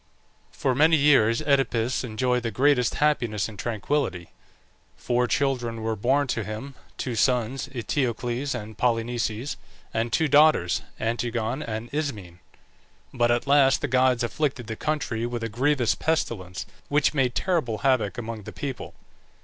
For many years Oedipus enjoyed the greatest happiness and tranquillity. Four children were born to him two sons, Eteocles and Polynices, and two daughters, Antigone and Ismene. But at last the gods afflicted the country with a grievous pestilence, which made terrible havoc among the people.